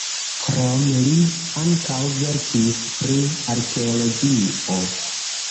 Krome li ankaŭ verkis pri arkeologio.